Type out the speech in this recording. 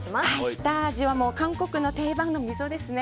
下味は韓国の定番のみそですね。